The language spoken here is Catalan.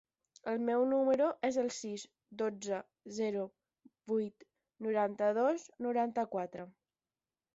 El meu número es el sis, dotze, zero, vuit, noranta-dos, noranta-quatre.